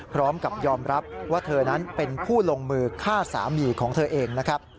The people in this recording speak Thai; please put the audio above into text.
พร้อมยอมรับว่าแทนนั้นเป็นผู้ลงมือฆ่าสามีของเธอเอง